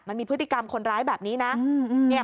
มันมีพฤติกรรมคนร้ายแบบนี้น่ะอืมเนี้ย